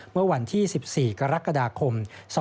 เมื่อวันที่๑๔กรกฎาคม๒๕๖